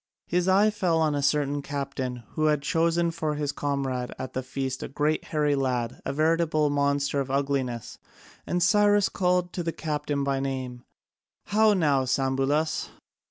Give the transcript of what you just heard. His eye fell on a certain captain who had chosen for his comrade at the feast a great hairy lad, a veritable monster of ugliness, and Cyrus called to the captain by name: "How now, Sambulas?